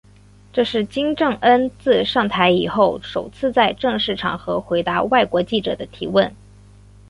这是金正恩自上台以后首次在正式场合回答外国记者的提问。